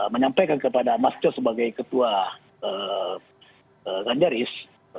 menyampaikan kepada mas co sebagai ketua ganjaris